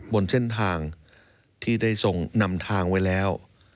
บนเส้นทางที่ได้ส่งนำทางไว้แล้ว